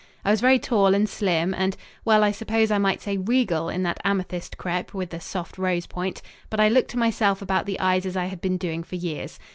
I was very tall and slim and well, I suppose I might say regal in that amethyst crêpe with the soft rose point, but I looked to myself about the eyes as I had been doing for years.